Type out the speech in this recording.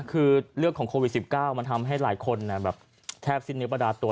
คือเรื่องของโควิด๑๙มันทำให้หลายคนแบบแทบสิ้นเนื้อประดาตัว